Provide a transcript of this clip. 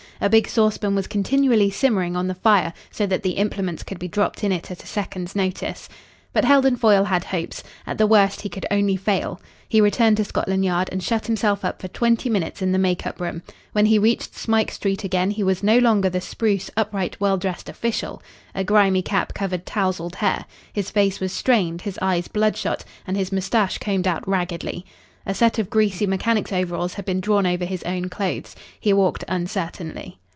A big saucepan was continually simmering on the fire, so that the implements could be dropped in it at a second's notice. But Heldon Foyle had hopes. At the worst he could only fail. He returned to Scotland Yard and shut himself up for twenty minutes in the make up room. When he reached Smike Street again he was no longer the spruce, upright, well dressed official. A grimy cap covered tousled hair. His face was strained, his eyes bloodshot and his moustache combed out raggedly. A set of greasy mechanic's overalls had been drawn over his own clothes. He walked uncertainly.